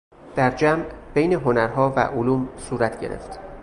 در جمع بین هنرها و علوم صورت گرفت